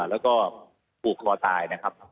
แล้วก็ผูกคอตายนะครับ